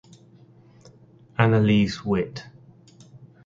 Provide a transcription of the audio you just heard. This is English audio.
Annelise Witt.